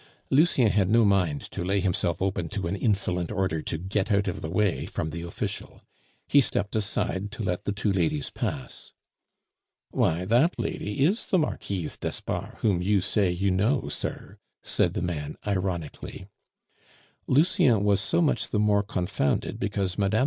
Lucien had no mind to lay himself open to an insolent order to get out of the way from the official. He stepped aside to let the two ladies pass. "Why, that lady is the Marquise d'Espard, whom you say you know, sir," said the man ironically. Lucien was so much the more confounded because Mme.